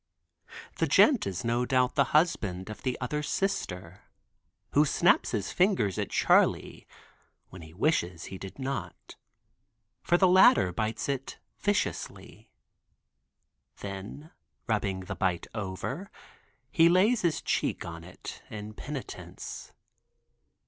The gent is no doubt the husband of the other sister, who snaps his fingers at Charley, when he wishes he did not, for the latter bites it viciously; then rubbing the bite over, he lays his cheek on it, in penitence.